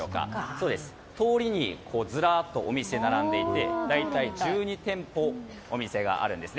そうです、通りにずらっと、お店が並んでいて大体１２店舗、お店があります。